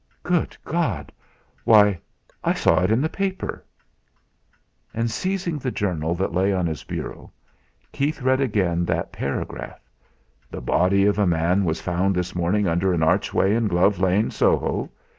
"Good God! Why I saw it in the paper!" And seizing the journal that lay on his bureau, Keith read again that paragraph: "The body of a man was found this morning under an archway in Glove Lane, Soho.